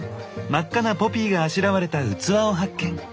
真っ赤なポピーがあしらわれた器を発見。